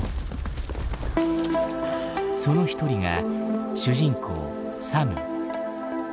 その一人が主人公サム。